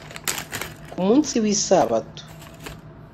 ku munsi w isabato